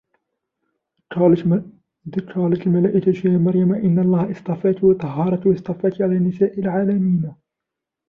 وَإِذْ قَالَتِ الْمَلَائِكَةُ يَا مَرْيَمُ إِنَّ اللَّهَ اصْطَفَاكِ وَطَهَّرَكِ وَاصْطَفَاكِ عَلَى نِسَاءِ الْعَالَمِينَ